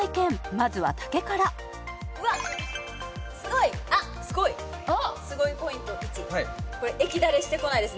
まずは竹からうわっすごいあっすごいすごいポイント１これ液ダレしてこないです